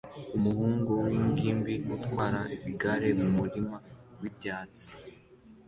Umuhungu w'ingimbi utwara igare mu murima wibyatsi